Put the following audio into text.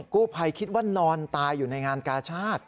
กู้ภัยคิดว่านอนตายอยู่ในงานกาชาติ